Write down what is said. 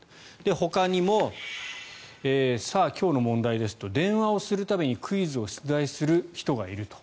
ほかにもさあ、今日の問題ですと電話をする度にクイズを出題する人がいると。